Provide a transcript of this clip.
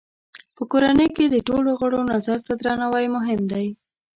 په کورنۍ کې د ټولو غړو نظر ته درناوی مهم دی.